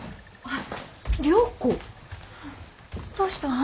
どうしたの？